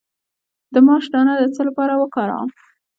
د ماش دانه د څه لپاره وکاروم؟